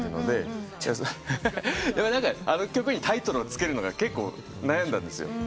でも何かあの曲にタイトルを付けるのが結構悩んだんですよ。